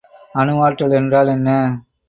அணுவாற்றல் என்றால் என்ன?